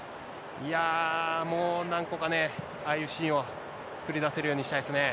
もう何個かね、ああいうシーンを作り出せるようにしたいですね。